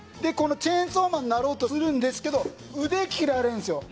チェンソーマンになろうとするんですけど腕切られるんですよ。